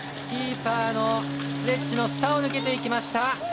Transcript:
キーパーのスレッジの下を抜けていきました。